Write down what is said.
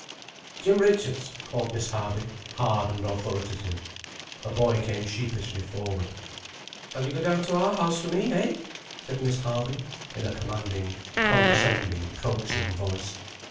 "Jim Richards," called Miss Harby, hard and authoritative. A boy came sheepishly forward. "Shall you go down to our house for me, eh?" said Miss Harby, in a commanding, condescending, coaxing voice.